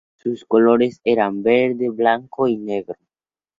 Sus colores eran verde, blanco y negro.